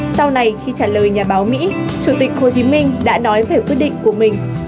sau này khi trả lời nhà báo mỹ chủ tịch hồ chí minh đã nói về quyết định của mình